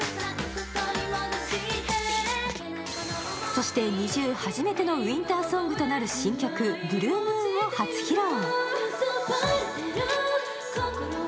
そしてＮｉｚｉＵ初めてのウインターソングとなる新曲「ＢｌｕｅＭｏｏｎ」を初披露。